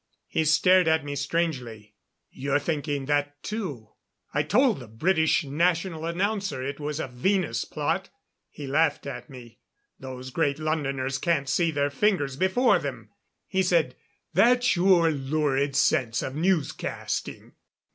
He stared at me strangely. "You're thinking that, too. I told the British National Announcer it was a Venus plot. He laughed at me. Those Great Londoners can't see their fingers before them. He said, 'That's your lurid sense of newscasting.'"